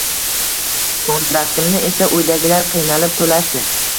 Kontraktimni esa uydagilar qiynalib to‘lashdi.